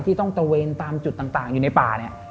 ต้องตะเวนตามจุดต่างอยู่ในป่าเนี่ย